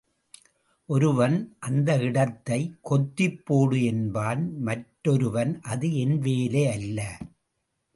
ஒருவன் அந்த இடத்தைக் கொத்திப்போடு என்பான், மற்றொருவன் அது என் வேலையல்ல.